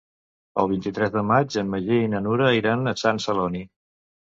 El vint-i-tres de maig en Magí i na Nura iran a Sant Celoni.